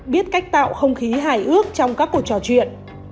biết cách tạo không khí hài ước trong các cuộc trò chuyện